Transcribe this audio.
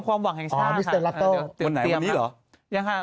ความหวังเองช่างครับตอนวันที่นี้รี่ใช่ไหม